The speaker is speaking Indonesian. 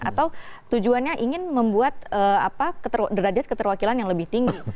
atau tujuannya ingin membuat derajat keterwakilan yang lebih tinggi